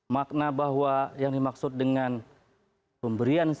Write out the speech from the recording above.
makna bahwa yang dimaksud dengan pemberian sertifikat yang banyak itu kebangsaan